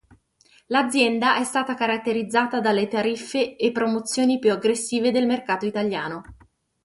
L'azienda è stata caratterizzata dalle tariffe e promozioni più aggressive del mercato italiano.